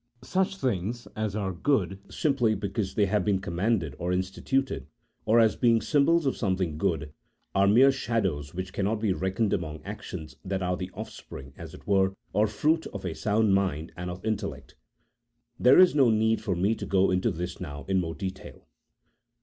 Such things as 62 A THE0L0GIC0 P0LITICAL TREATISE. [CHAP. IV. are good simply because they have been commanded or instituted, or as being symbols of something good, are mere shadows which cannot be reckoned among actions that are the offspring, as it were, or fruit of a sound mind and of intellect. There is no need for me to go into this now in more detail.